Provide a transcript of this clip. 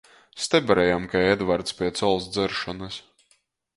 Steberejam kai Edvarts piec ols dzeršonys.